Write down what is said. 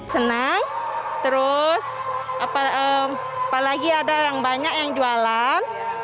senang terus apalagi ada yang banyak yang jualan